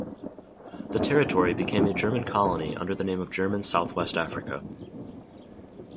The territory became a German colony under the name of German South West Africa.